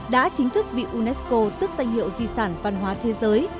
đã chính thức bị unesco tức danh hiệu di sản văn hóa thế giới